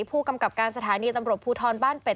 ผู้กำกับการสถานีตำรวจภูทรบ้านเป็ด